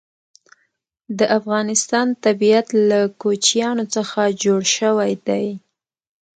د افغانستان طبیعت له کوچیان څخه جوړ شوی دی.